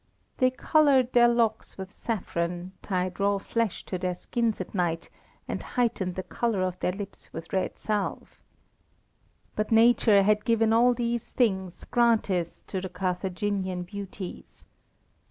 They coloured their locks with saffron, tied raw flesh to their skins at night, and heightened the colour of their lips with red salve. But Nature had given all these things gratis to the Carthaginian beauties.